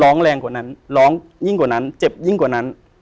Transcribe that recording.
แรงกว่านั้นร้องยิ่งกว่านั้นเจ็บยิ่งกว่านั้น